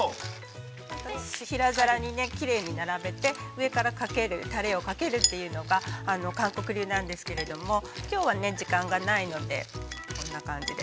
平皿に、きれいに並べて上からタレをかけるというのが韓国流なんですけれどもきょうは時間がないのでこんな感じで。